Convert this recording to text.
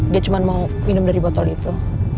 dia cuma mau minum dari botol itu